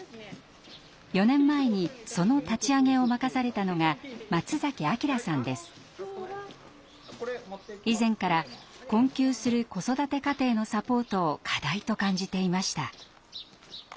４年前にその立ち上げを任されたのが以前から困窮する子育て家庭のサポートを課題と感じていました。